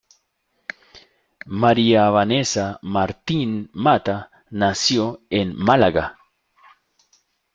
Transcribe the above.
María Vanesa Martín Mata nació en Málaga.